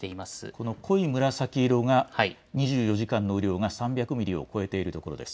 この濃い紫色が２４時間の雨量が３００ミリを超えているところです。